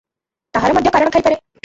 ତାହାର ମଧ୍ୟ କାରଣ ଥାଇପାରେ ।